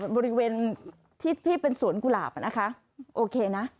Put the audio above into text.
บริเวณที่เป็นสวนกุหลาบนะคะโอเคนะ